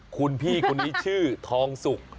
คุณพี่คนนี้ชื่อทองสุก